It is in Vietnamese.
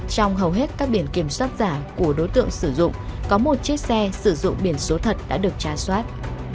trong hầu hết các biển kiểm soát giả của đối tượng sử dụng có một chiếc xe sử dụng biển số thật đã được trả soát